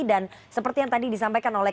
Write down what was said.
dan seperti yang tadi disampaikan oleh